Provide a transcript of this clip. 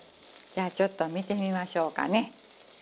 じゃあちょっと見てみましょうかね。